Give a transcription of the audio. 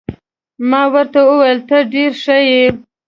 ما ورته وویل: ته ډېر ښه يې.